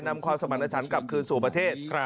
นำความสมรรถฉันกลับคืนสู่ประเทศ